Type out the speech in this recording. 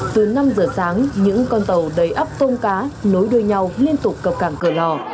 từ năm giờ sáng những con tàu đầy áp tôm cá nối đôi nhau liên tục cập cảng cờ lò